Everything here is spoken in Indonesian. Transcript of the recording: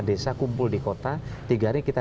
desa kumpul di kota tiga hari kita